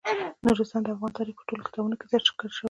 نورستان د افغان تاریخ په ټولو کتابونو کې ذکر شوی دی.